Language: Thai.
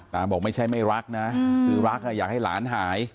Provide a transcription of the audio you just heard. บอกไม่ใช่ไม่รักนะคือรักอยากให้หลานหาย